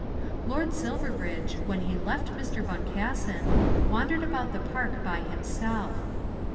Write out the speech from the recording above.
Lord Silverbridge, when he left Mr. Boncassen, wandered about the park by himself.